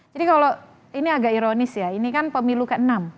jadi kalau ini agak ironis ya ini kan pemilu ke enam